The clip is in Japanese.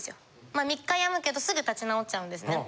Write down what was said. まあ３日病むけどすぐ立ち直っちゃうんですね。はあ。